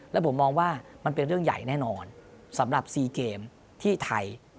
แล้วผมมองว่ามันเป็นเรื่องใหญ่แน่นอนสำหรับ๔เกมที่ไทย